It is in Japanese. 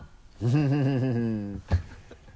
フフフ